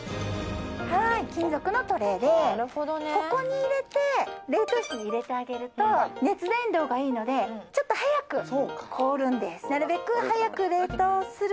はい金属のトレーでここに入れて冷凍室に入れてあげると熱伝導がいいのでちょっと早く凍るんです